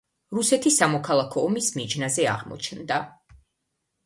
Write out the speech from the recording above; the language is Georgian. რუსეთი სამოქალაქო ომის მიჯნაზე აღმოჩნდა.